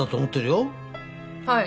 はい。